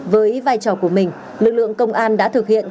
với vai trò của mình lực lượng công an đã thực hiện